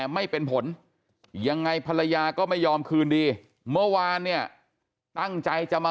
ไม่เป็นผลยังไงภรรยาก็ไม่ยอมคืนดีเมื่อวานเนี่ยตั้งใจจะมา